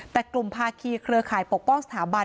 แต่กลุ่มภาคีเครือข่ายปกป้องสถาบัน